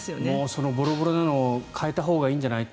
そのボロボロなの変えたほうがいいんじゃない？